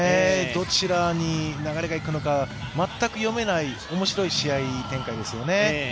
どちらに流れが行くのか、全く読めない、面白い試合展開ですよね。